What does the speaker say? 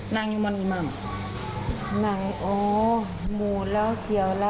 นั่งอยู่มอนิมัมนั่งอ๋อหมูแล้วเสียวแล้ว